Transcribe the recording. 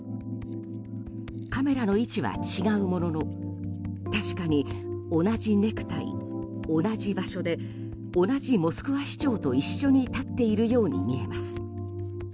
カメラの位置は違うものの確かに同じネクタイ同じ場所で、同じモスクワ市長と一緒に立っているように見えます。